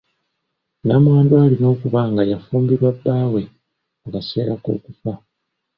Namwandu alina okuba nga yafumbirwa bbaawe mu kaseera k'okufa.